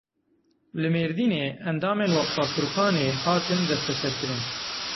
Li Mêrdînê endamên Weqfa Furqanê hatin desteserkirin.